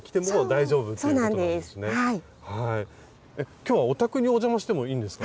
今日はお宅にお邪魔してもいいんですか？